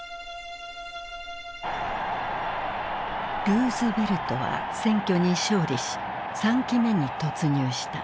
ルーズベルトは選挙に勝利し３期目に突入した。